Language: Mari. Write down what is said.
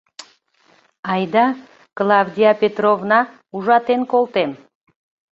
Айда, Клавдия Петровна, ужатен колтем.